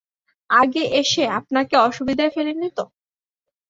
আগে এসে আপনাকে অসুবিধায় ফেলি নি তো?